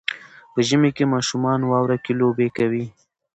په ژمي کې ماشومان واوره کې لوبې کوي.